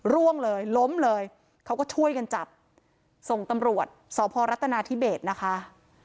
ร่วงเลยล้มเลยเขาก็ช่วยกันจับส่งตำรวจสพรัฐนาธิเบสนะคะ